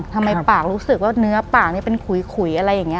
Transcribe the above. ปากรู้สึกว่าเนื้อปากนี่เป็นขุยอะไรอย่างนี้